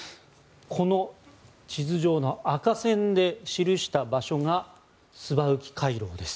この地図上の赤線で記した場所がスバウキ回廊です。